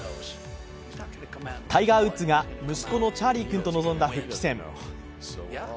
タイガー・ウッズが息子のチャーリー君と臨んだ復帰戦。